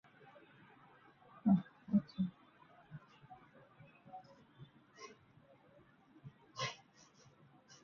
Nevertheless, the premiere was met with great appreciation.